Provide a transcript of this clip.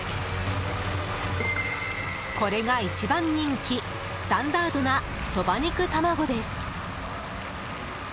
これが一番人気スタンダードなそば肉玉子です。